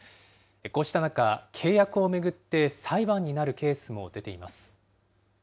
こうした中、契約を巡って裁判になるケースも出ています。